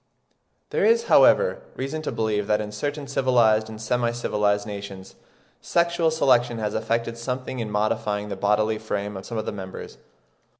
There is, however, reason to believe that in certain civilised and semi civilised nations sexual selection has effected something in modifying the bodily frame of some of the members.